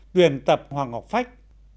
tuyển tập hoàng ngọc phách